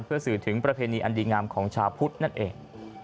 เพื่อสื่อถึงประเพณีอันดีงามของชาวพุทธนั่นเอง